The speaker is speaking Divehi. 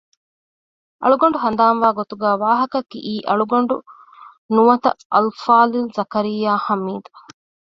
އަޅުގަނޑު ހަނދާންވާ ގޮތުގައި ވާހަކަ ކިއީ އަޅުގަޑު ނުވަތަ އަލްފާޟިލް ޒަކަރިޔާ ޙަމީދު